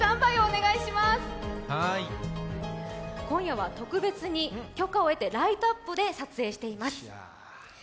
今夜は特別に許可を得てライトアップで撮影しています。